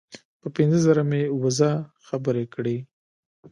په پنځه زره مې وزه خبرې کړې.